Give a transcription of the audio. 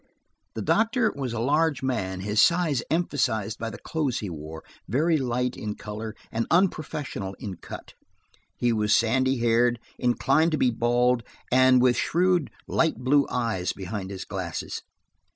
The doctor was a large man, his size emphasized by the clothes he wore, very light in color, and unprofessional in cut. He was sandy haired, inclined to be bald, and with shrewd, light blue eyes behind his glasses.